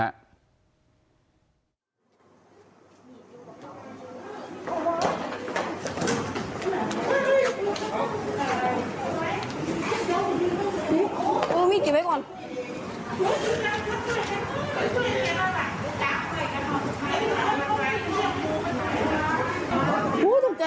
ตั้งแต่จะเสียบูบไม่ซื้อใจ